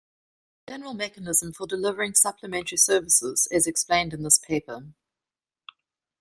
The general mechanism for delivering supplementary services is explained in this paper.